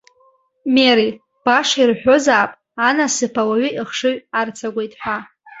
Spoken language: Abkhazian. Мери, баша ирҳәозаап анасыԥ ауаҩы ихшыҩ арцагәуеит ҳәа.